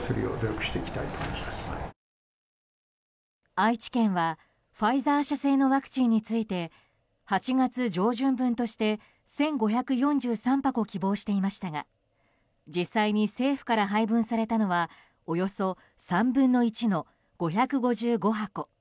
愛知県はファイザー社製のワクチンについて８月上旬分として１５４３箱を希望していましたが実際に政府から配分されたのはおよそ３分の１の５５５箱。